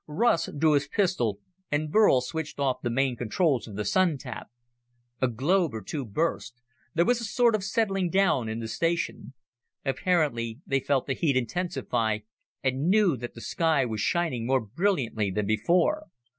Russ drew his pistol, and Burl switched off the main controls of the Sun tap. A globe or two burst; there was a sort of settling down in the station. Abruptly they felt the heat intensify and knew that the sky was shining more brilliantly than before.